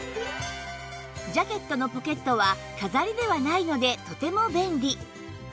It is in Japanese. ジャケットのポケットは飾りではないのでとても便利